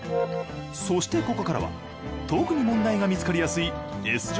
そしてここからは特に問題が見つかりやすいＳ状